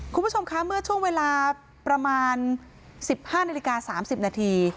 คุณผู้ชมคะเมื่อช่วงเวลาประมาณ๑๕นาฬิกา๓๐นาที